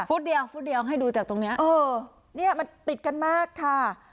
เดียวฟุตเดียวให้ดูจากตรงเนี้ยเออเนี่ยมันติดกันมากค่ะ